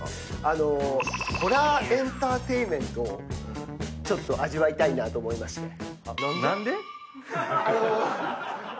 ホラーエンターテインメントを味わいたいなと思いまして。